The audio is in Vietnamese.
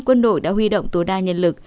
quân đội đã huy động tố đa nhân lực